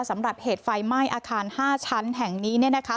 สำหรับเหตุไฟไหม้อาคาร๕ชั้นแห่งนี้